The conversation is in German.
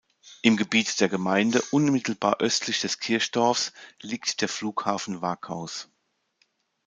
Im Gebiet der Gemeinde, unmittelbar östlich des Kirchdorfs, liegt der Flughafen Varkaus.